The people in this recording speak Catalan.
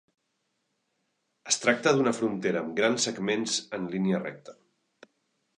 Es tracta d'una frontera amb grans segments en línia recta.